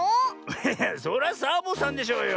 そりゃサボさんでしょうよ。